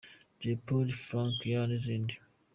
Jay Polly & Franc Kay n’izindi.